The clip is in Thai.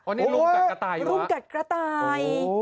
โอ๊ยรุ่นกัดกระต่าย